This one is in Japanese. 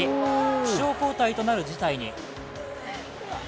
負傷交代となる事態も。